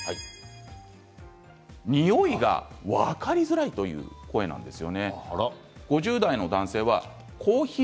匂いが分かりづらいという声なんです。